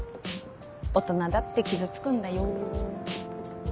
大人だって傷つくんだよ。